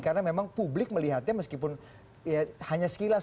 karena memang publik melihatnya meskipun ya hanya sekilas